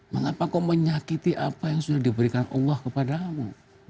mengapa kau menyakiti apa yang sudah diberikan allah kepada kamu